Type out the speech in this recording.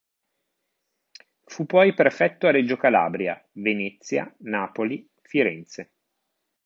Fu poi prefetto a Reggio Calabria, Venezia, Napoli, Firenze.